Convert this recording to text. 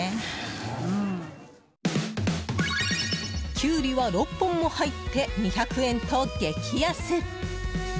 キュウリは６本も入って２００円と激安。